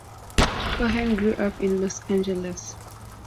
Cohen grew up in Los Angeles.